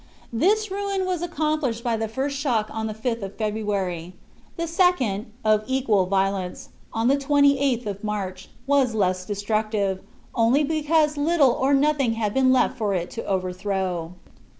This ruin was accomplished by the first shock on the 5th of February. The second, of equal violence, on the 28th of March, was less destructive, only because little or nothing had been left for it to overthrow.